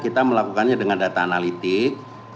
kita melakukannya dengan data analitik